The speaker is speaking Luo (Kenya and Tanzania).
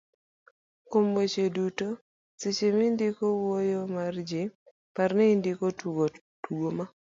kuom weche duto, seche mindiko wuoyo mar ji, par ni indiko tugo ma